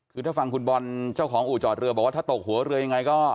คือถ้าฟังคุณบอลเจ้าของอู่จอดเรือบอกว่าถ้าตกหัวเรือยังไงก็